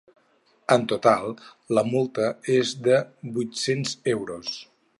En total, la multa és de vuit-cents euros.